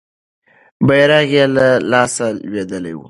بیرغ یې له لاسه لوېدلی وو.